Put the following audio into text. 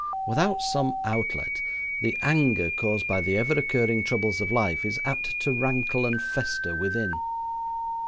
Without some outlet, the anger caused by the ever occurring troubles of life is apt to rankle and fester within.